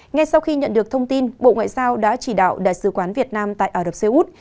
ngay sau khi nhận được thông tin bộ ngoại giao đã chỉ đạo đại sứ quán việt nam tại ả rập xê út